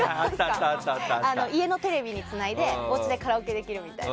家のテレビにつないでおうちでカラオケできるみたいな。